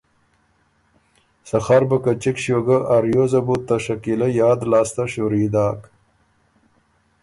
سخر بُو که چِګ ݭیوک ګه ا ریوزه بُو ته شکیله یاد لاسته شُوري داک۔